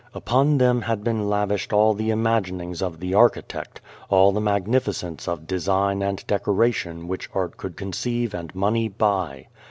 Upon them had been lavished all the imaginings of the architect, all the magnificence of design and decoration which art could conceive and money buy.